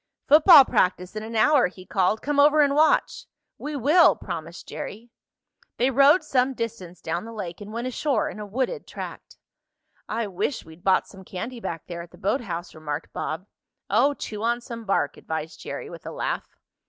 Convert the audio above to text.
"Football practice in an hour," he called. "Come over and watch." "We will," promised Jerry. They rowed some distance down the lake and went ashore in a wooded tract. "I wish we'd bought some candy back there at the boathouse," remarked Bob. "Oh, chew on some bark," advised Jerry with a laugh.